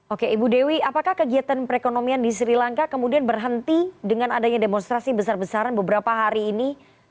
oke ibu dewi apakah kegiatan perekonomian di sri lanka kemudian berhenti dengan adanya demonstrasi besar besaran beberapa hari ini